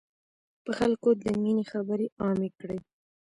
په خلکو د ميني خبري عامي کړی.